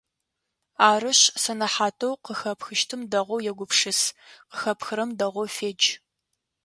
Арышъ, сэнэхьатэу къыхэпхыщтым дэгъоу егупшыс, къыхэпхрэм дэгъоу федж!